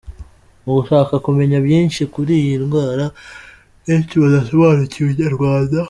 Mu gushaka kumenya byinshi kuri iyi ndwara, benshi badasobanukiwe, Inyarwanda.